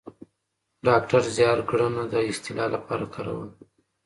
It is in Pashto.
ډاکتر زیار ګړنه د اصطلاح لپاره کارولې ده